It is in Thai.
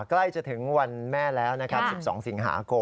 ใกล้จะถึงวันแม่แล้วนะครับ๑๒๐๐๖โมง